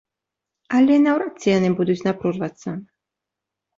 Але наўрад ці яны будуць напружвацца.